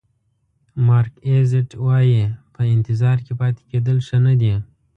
مارک ایزت وایي په انتظار کې پاتې کېدل ښه نه دي.